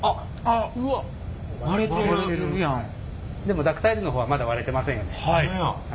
でもダクタイルの方はまだ割れてませんよね。